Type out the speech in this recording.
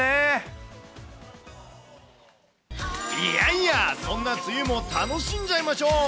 いやいや、そんな梅雨も楽しんじゃいましょう。